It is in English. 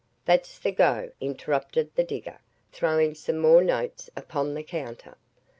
"That's the go!" interrupted the digger, throwing some more notes upon the counter.